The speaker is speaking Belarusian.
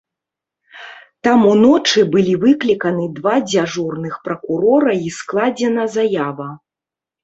Там уночы былі выкліканы два дзяжурных пракурора і складзена заява.